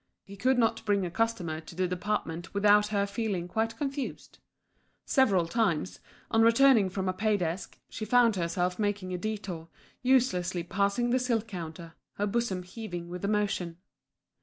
He could not bring a customer to the department without her feeling quite confused. Several times, on returning from a pay desk, she found herself making a détour uselessly passing the silk counter, her bosom heaving with emotion.